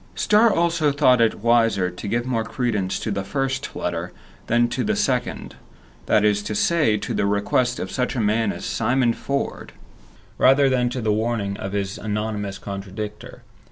Starr also thought it wiser to give more credence to the first letter than to the second; that is to say, to the request of such a man as Simon Ford, rather than to the warning of his anonymous contradictor.